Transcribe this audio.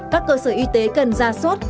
các cơ sở y tế cần ra suốt